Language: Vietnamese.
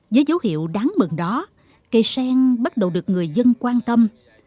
với dấu hiệu đáng mừng đó cây sen bắt đầu được người dân quan tâm